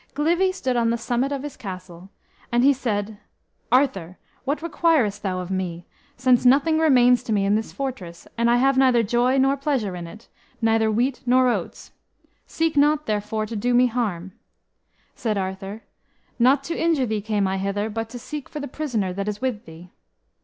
Glivi stood on the summit of his castle, and he said, "Arthur, what requirest thou of me, since nothing remains to me in this fortress, and I have neither joy nor pleasure in it, neither wheat nor oats? Seek not, therefore, to do me harm." Said Arthur, "Not to injure thee came I hither, but to seek for the prisoner that is with thee."